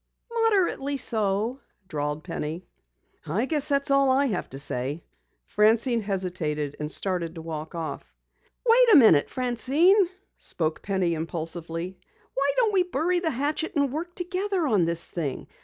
"Moderately so," drawled Penny. "I guess that's all I have to say." Francine hesitated and started to walk off. "Wait a minute, Francine," spoke Penny impulsively. "Why don't we bury the hatchet and work together on this thing?